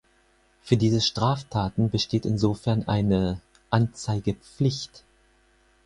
Für diese Straftaten besteht insofern eine "Anzeigepflicht".